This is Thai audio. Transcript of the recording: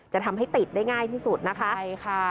จะทำให้ติดได้ง่ายที่สุดนะคะใช่ค่ะ